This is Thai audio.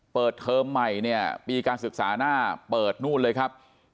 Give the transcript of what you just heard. เปิดเทิมใหม่ปีการศึกษาหน้าเปิดนู่นเลยครับ